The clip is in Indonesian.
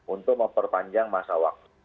untuk memperpanjang masa waktu